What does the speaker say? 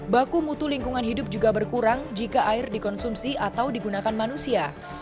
baku mutu lingkungan hidup juga berkurang jika air dikonsumsi atau digunakan manusia